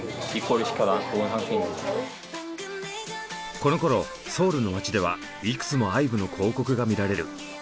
このころソウルの街ではいくつもＩＶＥの広告が見られる。